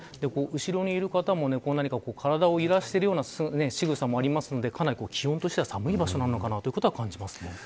後ろにいる方も何か体を揺らしているようなしぐさもあるのでかなり気温としては寒い場所なのかなと感じます。